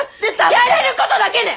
やれることだけね！